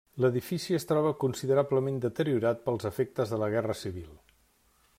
L'edifici es troba considerablement deteriorat pels efectes de la guerra civil.